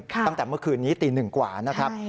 ตั้งแต่เมื่อคืนนี้ตี๑กว่านะครับ